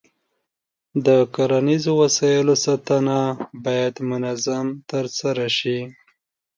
د کرنیزو وسایلو ساتنه باید منظم ترسره شي.